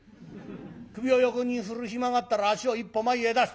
首を横に振る暇があったら足を一歩前へ出す。